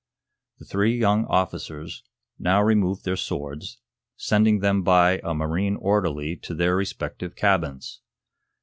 The three young officers now removed their swords, sending them by a marine orderly to their respective cabins.